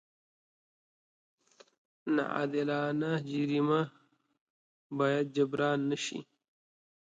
ناعادلانه څه جريمه جبران نه شي.